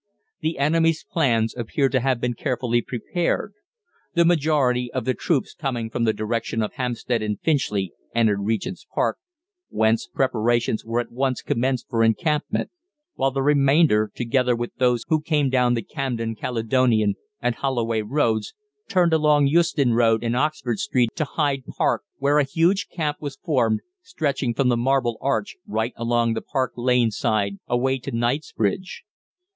The enemy's plans appeared to have been carefully prepared. The majority of the troops coming from the direction of Hampstead and Finchley entered Regent's Park, whence preparations were at once commenced for encampment; while the remainder, together with those who came down the Camden, Caledonian, and Holloway Roads, turned along Euston Road and Oxford Street to Hyde Park, where a huge camp was formed, stretching from the Marble Arch right along the Park Lane side away to Knightsbridge.